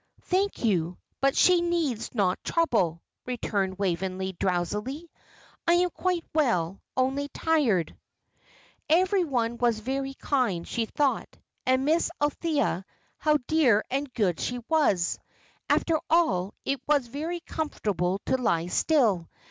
"Thank you. But she need not trouble," returned Waveney, drowsily. "I am quite well, only tired." Every one was very kind, she thought. And Miss Althea, how dear and good she was! After all, it was very comfortable to lie still.